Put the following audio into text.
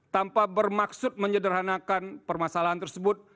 tanpa bermaksud menyederhanakan permasalahan tersebut